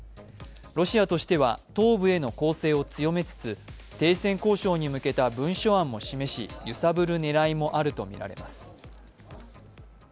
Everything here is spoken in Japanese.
ロシアとしては東部への攻勢を強めつつ、停戦交渉に向けた文書案も示し揺さぶる狙いもあるとみられます。